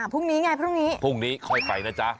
พรุ่งนี้ไงพรุ่งนี้พรุ่งนี้ค่อยไปนะจ๊ะ